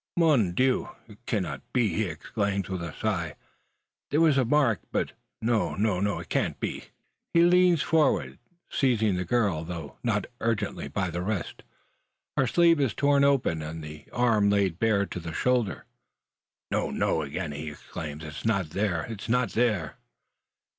"Mon Dieu! it cannot be!" he exclaims, with a sigh. "There was a mark; but no, no, no! it cannot be!" He leans forward, seizing the girl, though not ungently, by the wrist. Her sleeve is torn open, and the arm laid bare to the shoulder. "No, no!" he again exclaims; "it is not there. It is not she."